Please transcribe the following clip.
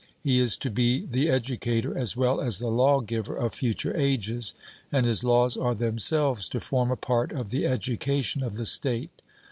He is to be the educator as well as the lawgiver of future ages, and his laws are themselves to form a part of the education of the state.